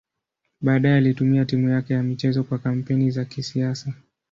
Baadaye alitumia timu yake ya michezo kwa kampeni za kisiasa.